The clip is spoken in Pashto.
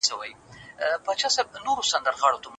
هر څه به په خپل وخت سم سي.